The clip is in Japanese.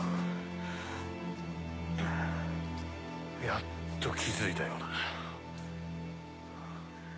やっと気付いたようだな。